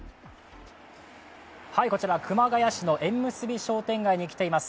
こちら熊谷市の縁結び商店街に来ています。